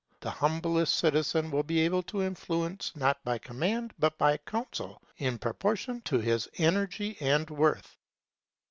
The humblest citizen will be able to influence not by command but by counsel, in proportion to his energy and worth.